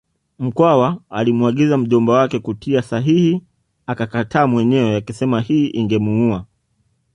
Mkwawa alimwagiza mjomba wake kutia sahihi akakataa mwenyewe akisema hii ingemuua